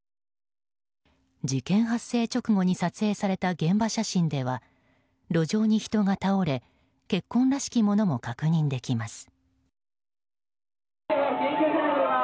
事件発生直後に撮影された現場写真では路上に人が倒れ血痕らしきものも確認できます。